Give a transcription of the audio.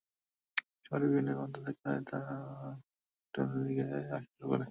শহরের বিভিন্ন প্রান্ত থেকে তারা পূর্বাণী হোটেলের দিকে আসা শুরু করে।